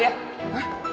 di toilet selatan ya